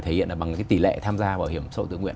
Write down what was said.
thể hiện bằng tỷ lệ tham gia bảo hiểm xã hội tự nguyện